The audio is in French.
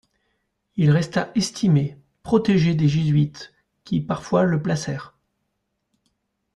Il resta estimé, protégé des Jésuites qui parfois le placèrent.